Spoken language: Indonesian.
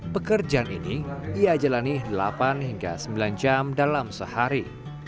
pekerjaan ini ia jalani delapan hingga sembilan jam dalam sehari